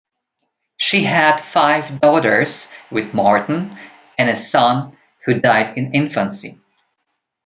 She had five daughters with Morton, and a son who died in infancy.